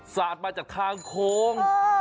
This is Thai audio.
สาดมาจากทางโค้ง